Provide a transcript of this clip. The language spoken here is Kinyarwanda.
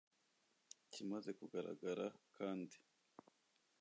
Ikimaze kugaragara kandi